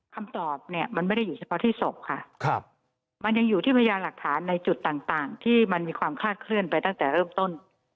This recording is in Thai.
คำตอบเนี่ยมันไม่ได้อยู่เฉพาะที่ศพค่ะมันยังอยู่ที่พยานหลักฐานในจุดต่างที่มันมีความคาดเคลื่อนไปตั้งแต่เริ่มต้น